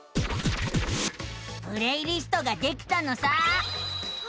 プレイリストができたのさあ。